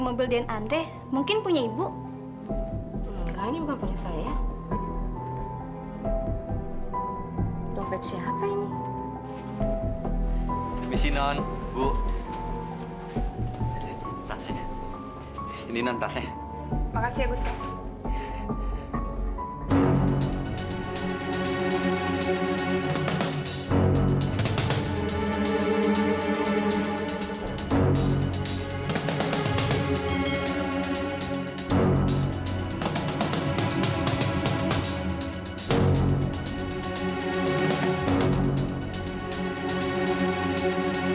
mobil dan andres mungkin punya ibu enggak ini bukan punya saya dompet siapa ini misi non bu